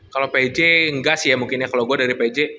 kalau pj enggak sih ya mungkin ya kalau gue dari pj